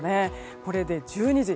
これで１２時。